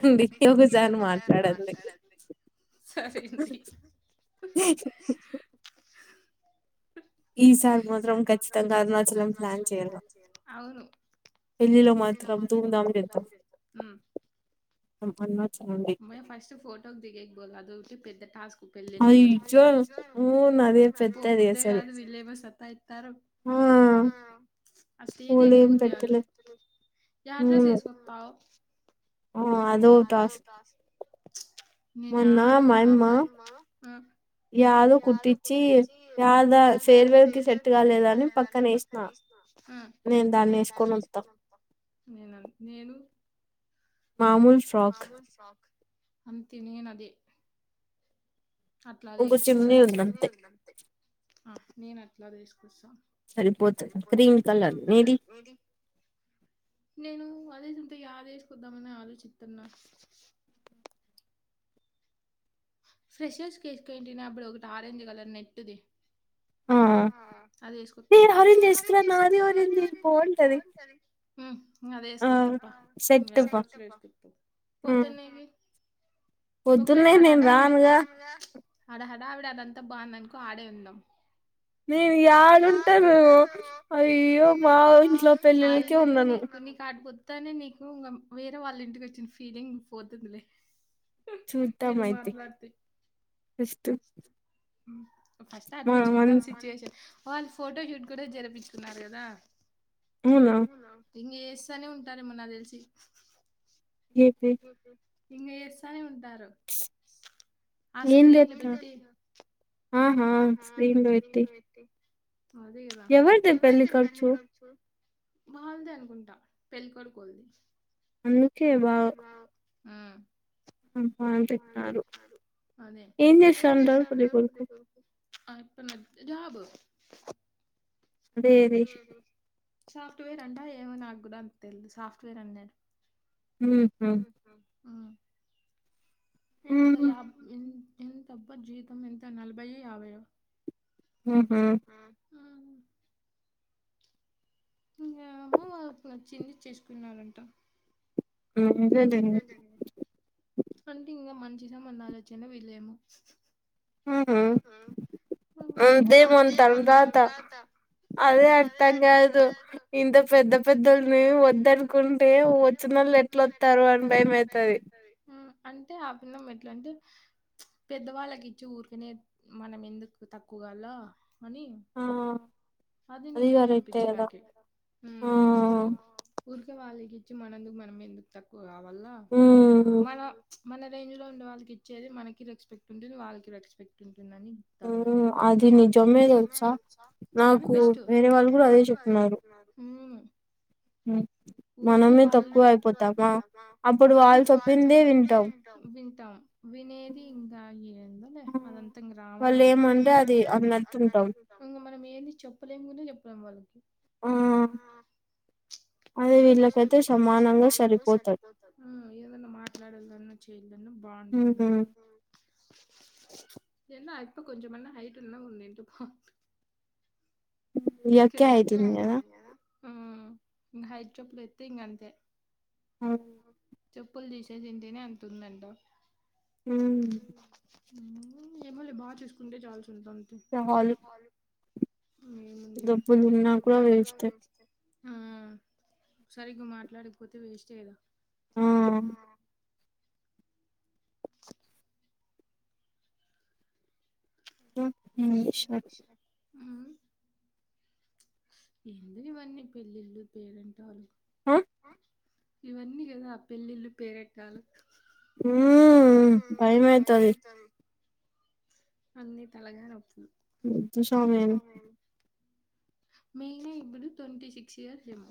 తుంది ఇది ఒకసారి మాట్లాడండి సరే అండి ఈసారి మాత్ర ఖచ్చితంగా అడ్వాన్స్ ముందు ప్లాన్ చేయాలి అవును పెళ్లిలో మాత్రం ధూమధాం చెద్దాం మే ఫస్ట్ ఫోటోలు దిగేకి పోదాం అదొకటి పెద్ద టాస్క్ పోబుద్దే కాదు వీళ్ళేమో సతాయిస్తారు అసలు ఏది ఎక్కబుద్ధి కాదు ఏ డ్రెస్ వేసుకుస్తావ్ ఓ అదో టాస్క్ నిన్యాడో నిన్న మా యమ్మ యదో కుట్టిచ్చి యదా సెంజరికి సెట్ కాలేదని పక్కనే ఇస్నామ్ నేను దాది వేసుకొని వస్తా నేను మా మామూల్ షాక్ అంతే నేను అదే అట్లాదే వేసి పెడతారు చున్నీ ఉంది అంతే ఆ నేను అట్లాదే వేస్క్ సా సరిపోతు గ్రీన్ కలర్ నీది నేను అదేే సునీత యాది వేసుకుద్దామని ఆలోచిస్తున్న ఫ్రెషర్స్ వేసుకుంటినా అప్పుడు ఒకటి ఆరెంజ్ కలర్ నెట్ది ఆ అదేసుకొత్తా హ్మ్ అదేసుకో పొద్దునేవి ఒకవేళ ఆడ హడావుడి ఆడ హ ఆడ ఆవిడ అదంతా బాగుందనుకో ఆడే ఉందాం నేను యాడుంటాను అయ్యో మా ఇంట్లో పెళ్ళిళ్ళకే ఉండను నీకు ఆడి కొత్తనే నీకు వేరే వాళ్ళ ఇంటికి వచ్చిన ఫీలింగ్ పోతుందిలే చూద్దాం అయితే ఫస్ట్ ఆ చూద్దాం సిచువేషన్ వాళ్లు ఫోటోషూట్ కూడా చేపించుకున్నారు కదా అవునా ఇంక చేస్తానే ఉంటారేమో నాకు తెలిసి ఇక చేస్తానే ఉంటారు ఆ స్క్రీన్లు పెట్టి ఆహా స్క్రీన్లు పెట్టి అది ఎలా ఎవరిది పెళ్లి ఖర్చు వాళ్లది అనుకుంటా పెళ్ళికొడుకోలది అందుకే బా ఆ ఆహా అందుకే పెట్టినారు ఏం చేస్తాండు నీ కొడుకు [unintelligible] జాబ్ అదే ఏది సాఫ్ట్వేర్ అంట ఏమో నాకు కూడా అంత తెలిదు సాఫ్ట్వేర్ అంటే ఉమ్మ్ ఎంత ఎంత అబ్బా జీతం ఎంత నలభై యో యాభైయో ఆహా ఆ ఇంగా నచ్చింది చేసుకున్నారంట అంటే ఇంకా మంచి సంబంధాలు వచ్చిండే వీళ్ళేమో ఆ అదే మన తలరాత అదే అర్థం కాదు ఇంత పెద్ద పెద్దల్ని వద్ద అనుకుంటే వచ్చినళ్ళ ఎట్లొస్తారు అని భయమ అవుతుది అంటే ఆ పిన్నం ఎట్లా అంటే పెద్దవాళ్ళకి ఇచ్చి ఊరుకనే మనం ఎందుకు తక్కువ గాల అని అదిని నిజామా అనుపించనక ఊరిక వాళ్ళకి ఇచ్చి మనందుకు మనం ఎందుకు తక్కువ కావల్ల మనం మన రేంజ్ లో ఉండే వాళ్ళకి ఇచ్చేది మనకి రెస్పెక్ట్ ఉంటుంది వాళ్ళకి రెస్పెక్ట్ ఉంటుందని చెప్తానండి అది చ బెస్ట్ రే వాళ్ళు కూడా అదే చెప్తు మనమే తక్కువ అయిపోతా అప్పిా వింటాం వినేది ఇంకా అదంతా రామాయణం ఆది ప్రేమ వాలుకి ఆ అది వీళ్ళ పతే సమానంగా సరిపోదు పోతు ఏదన్నా మాట్లాడాలదన్న బాగుంటుందం ఏ ఇప్ప కొంచెమ హైట్ ఉ నంంటిపోం హైట్ చెప్పులులో ఎతే ఇం అంతే అవు చెప్పులు తీసే తింటేనే అంటుందంట హ ఏమళ బాగా చేసుకుంటే చాల్సి ఉంటా అంతే నా కూడా వే ఇస్త ఆ సరిగ్గా మాట్లాడికపోతే వేస్ట్ స ఎందు ఇవన్నీ పెళ్ళిళ్ళు పేరంటే వాళ్ళ ఆ ఇవన్నీ కదా ఆ పెళ్ళిళ్ళు పేరెట్టాల హ భయమైతోంది అన్నీ తల నొప్పు షమ మెయి ఇప్పుడు ట్వంటీ సి ఇయర్స్ జమ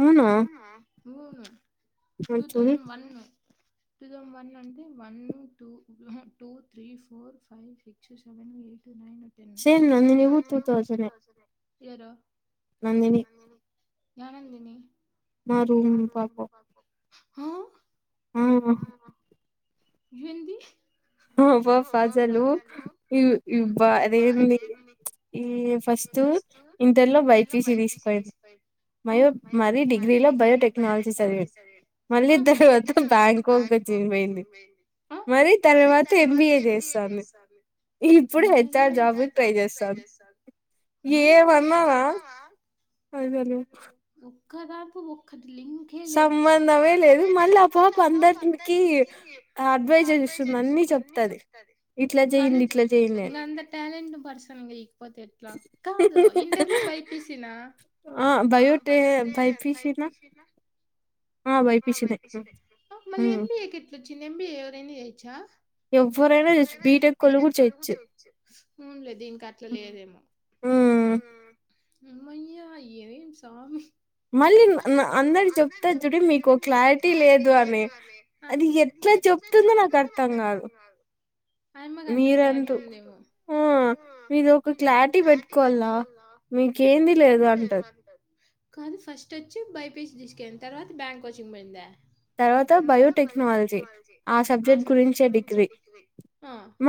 అవునా మూను two thousand one thousand one అంటే one two two three four five six seven ఎయి [unintelligible] Nandini ఆ నందిని మా రూమ్ పాప హ ఏంటి ఆబ ఫజలు ఇ బా అదేంది ఈ ఫస్ట్ ఇంటర్ లో బైపీసీ తీసుకోయది మయో మరీ డిగ్రీలో బయోటెక్నాలజీ చదివ మళ్ళీ తర్వాత బ్యాంకాక్ వచ్చి ఎంత చిైంది మరి తర్వాత ఎంబిఏ చేస్తాను ఇడు జాబ పయిజే ససలు ఏం అన నా ఒక సంబంధమే లేదు మళ్ళీ ఆప అందరిక అడ్వైజస్తు చేసింది అన్నీ చెప్తది ఇట్ల జరిగింది ఇట్ల జరిగింది నువ్వు అంత టాలెంట్ పర్సన్వి పోతే ఎట్లా కాదు ఇంటర్ లో బై పి సి న ఆ బయోటే బై పి సి న ఆ బై పి సి నే మరి ఎం బి ఏ కి ఎట్లొచ్చింది ఎం బి ఏ ఎవరైన చేయొచ్చా ఎవ్వ ఎవ్వరైనా తీసుకో బీటెక్ ఓళ్ళు కూడ చేయొచ్చు అవునులే దీనికి అట్ల లేదేమో హ ఏమయ్యా ఏం సామి మళ్ళీ అందరు చెప్తారు జుడు మీకు క్లారిటీ లేదు అని అది ఎట్ల చెప్తుందో నాకు అర్థం కాదు ఆమెకు అంత క్లారిటీ ఉందేమో ఆ మీరు ఒక క్లారిటీ పెట్టుకోవాలిగా మీకేది లేదు అంటాంది కాదు ఫస్ట్ వచ్చి బైపిసి తీసుకొని తర్వాత బ్యాంక్ కోచింగ్ పోయిందా తర్వాత బయోటెక్నాలజీ ఆ సబ్జెక్ట్ గురించే డిగ్రీ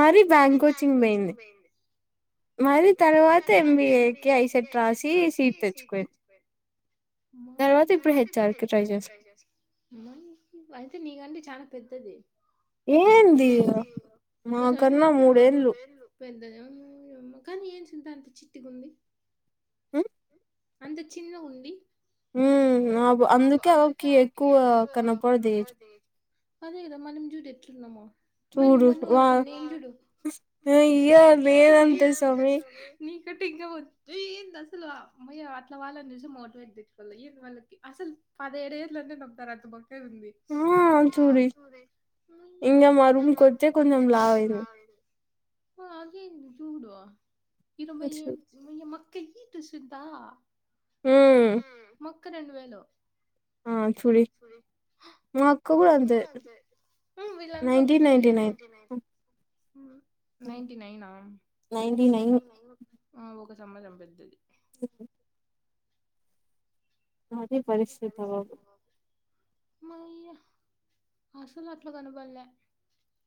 మరి మళ్ళీ బ్యాంక్ కోచింగ్ పోయింది మరి తర్వాత ఎంబిఏకి ఐసెట్ రాసి సీట్ తెచ్చుకోయింది మయ్యా తర్వాత ఇప్పుడు హెచ్ఆర్ కి ట్రై జేస్తుంది అయితే నీకంటే చాలా పెద్ద ఏమైందీ మా కన్నా మూడేళ్ళు పెద్దదా కానీ ఏం చింత అంత చిట్టిగుంది ఉమ్ అంత చిన్న ఉంది ఉమ్ ఆబు అందు అదేగద మనం జూడు ఎట్లున్నమో అమ్మాయి నువ్వన్నా ఒక రకం నేన్ జూడు ఈ ఇయర్ నేనంతే సామి టి ఏంది అసలు అమ్మయ్యా అట్లా వాళ్ళని జూసి మోటివేట్ జేసుకోవాళ్ళే ఏ వాళ్ళకి అసలు పదిహేడేళ్లంటే నమ్ముతారు అంత బక్క గుంది ఆ చూరే ఇంగ మారూమ్ కొచ్చే కొంచెంలావైనం ఆ అగేంది జూడు ఇరవై ఎం ఓయమ్మ కేన్ ఈటు సిద్దా మొక్క రెండు వేలు ఆ చూబి మా అక్క గూడ అంతే ఉమ్ వీళ్ళంతా ఒకటేలే నైన్టీ నైన్ నా ఆ ఒక సంవత్సరం పెద్దది [unintelligible] నాది పరిస్థితి పోవదు మయ్య అస్సలట్ల కనబల్లే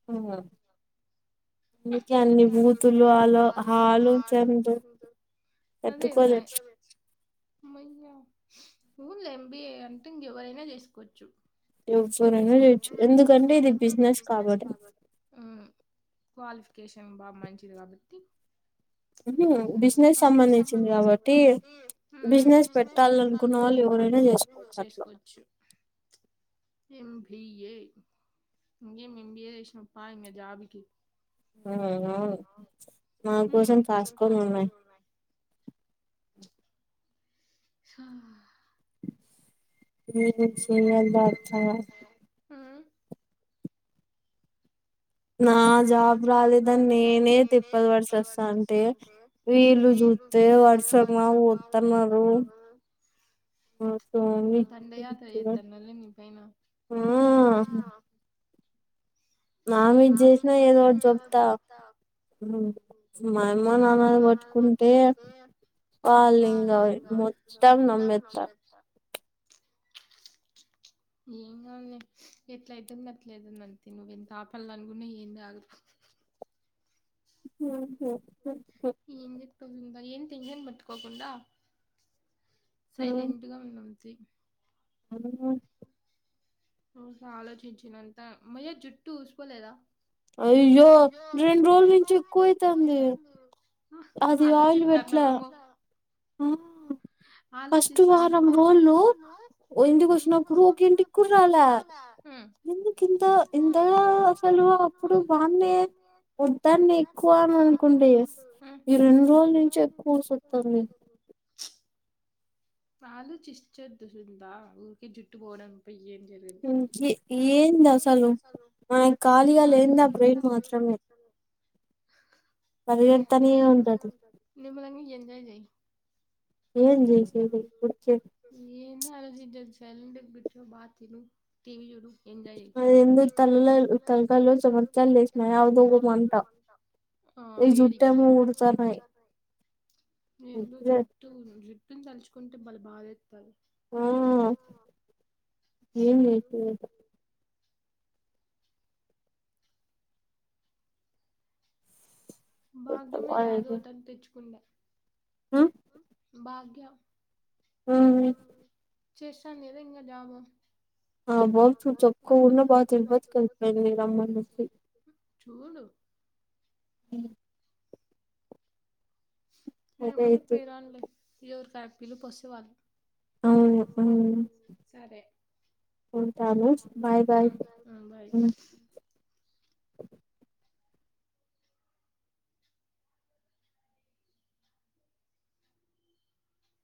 హూ హా అందుకే అన్ని బూతులు అలో ఆలోచనలు అదే గదా మయ్యా ఊన్ ఎంబీఏ అంటే ఇంగ ఎవరైనా జేసుకోవచ్చు ఎవ్ జు సరే ఎందుకంటే ఇది బిజినెస్ కాబట్టి ఉమ్ క్వాలిఫై కేశన్ బాబు మంచిది కాబట్టి బిజినెస్ సంబంధించింది కాబట్టీ బిజినెస్ పెట్టాలనుకున్న వాళ్ళు ఎవరైనా జేసుకోవచ్చు అట్లా ఎంబిఏ ఇంగేం ఎంబిఏ జేసినవ్ ప్పా ఇంగ జాబ్ కి నేను నా కోసం కాస్కోని ఉన్నాయి ఛా [unintelligible] బాగొచ్చాయా నా జాబ్ రాలేదని నేనే తిప్పలబడి చస్తా ఉంటే వీళ్ళు జూడ్ నువ్ జూత్తే వర్షమాదిర వద్దన్నారు దండయాత్ర చేద్దాం మళ్ళీ నీపైనా ఓ ఏం జేప్తాను మా అమ్మ నాన్న పట్టుకుంటే ఆళ్ళు ఇంగ మొత్తం నమ్మేతారు ఏం గాదులే ఎట్ల అయితుం ఆట్ల అయితుంద్ అంతే నువ్ ఎం ఆపాలనుకున్నా ఏం గాదు హు హూ ఈన్నే తొమ్మిదాయే ఏం టెన్షన్ బెట్కోకుండా సైలెంట్గా ఉంది అంతే [unintelligible] ఊరికే ఆలోచించినంత హమ్మయ్యా జుట్టు ఊసుపోలేదా అయ్యో రెండు రోజు నుంచి ఎక్కువ అయితంది. అది ఆయిల్ పెట్ల ఆలోచిస్తన్న ఉమ్ ఇంత ఇంతగా అసలు అప్పుడు బానే వద్దన్ని ఎక్కువ అని అనుకుంట డేస్ ఈ రెండు రోజుల నుంచి ఎక్కువస్తుంది ఆలోచించోద్దు [unintelligible] ఊరుకే జుట్టు పోవడం తప్ప ఏం ఏ ఏంది అసలు మనకు ఖాళీగా లేనిది ఆ బ్రెయిన్ మాత్రమే నిమ్ నిమ్మళంగా ఉండి ఎంజాయ్ చెయ్ ఏం ఆలోచించొద్దు సైలెంట్గా కూర్చో బా తిను టీవీ చూడు ఎందుకు తలలో తలకాయలో చెమరకాయలు లేసి [unintelligible] అంత ఆ వేడికి ఏందో జుట్టు జుట్టుని తలుచుకుంటే బలే బాధెత్తాంది ఆ ఏం చేసేది భాగ్యమేలే ఏదోటి అనిపించుకుంటే భాగ్యం ఆ చేస్తనే లేదా ఇంకా జాబ్ [unintelligible] రమ్మనేసి చూడు అ ఏమోలే [unintelligible] ఎవరికా పిలుపోస్తే వాళ్ళు అవును ఆ సరే ఉంటాను బాయ్ బాయ్